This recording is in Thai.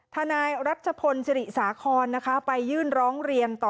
ทนายรัชพลศิริสาคอนนะคะไปยื่นร้องเรียนต่อ